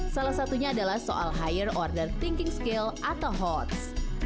salah satunya adalah soal higher order thinking skill atau hots